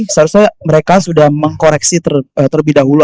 seharusnya mereka sudah mengkoreksi terlebih dahulu